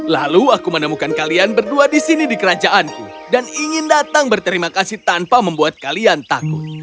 lalu aku menemukan kalian berdua di sini di kerajaanku dan ingin datang berterima kasih tanpa membuat kalian takut